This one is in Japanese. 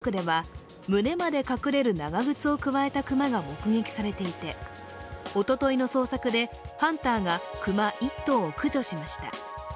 男性が釣りをしていた場所の近くでは胸まで隠れる長靴をくわえた熊が目撃されていて、おとといの捜索でハンターが熊１頭を駆除しました。